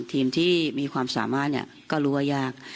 ทีมที่มีความสามารถก็รู้ว่ายาก